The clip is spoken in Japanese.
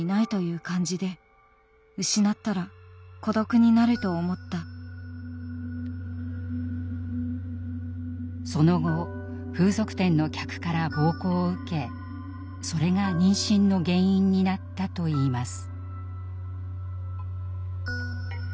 親や周囲との関係に苦しむ中その後風俗店の客から暴行を受けそれが妊娠の原因になったといいます。